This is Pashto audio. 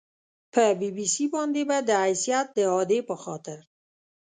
په بي بي سي باندې به د حیثیت د اعادې په خاطر